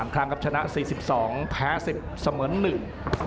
๕๓ครั้งครับชนะ๔๒แพ้๑๐เสมือน๑